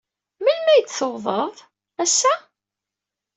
Melmi ay d-tuwḍeḍ? Ass-a?